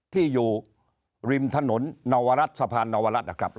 ที่อยู่ริมถนนนวรัฐสะพานนวรัฐนะครับ